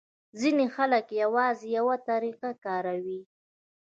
ځینې خلک یوازې یوه طریقه کاروي.